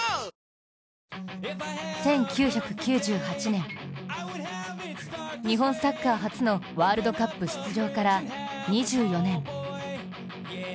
１９９８年、日本サッカー初のワールドカップ出場から２４年。